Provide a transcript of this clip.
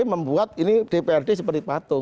membuat ini dprd seperti patuh